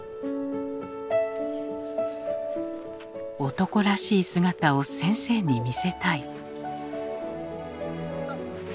「男らしい姿を先生に見せたい」。